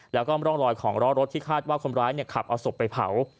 แล้วก็ร่องรอยของล้อรถที่คาดว่าคนร้ายขับเอาศพไปเผา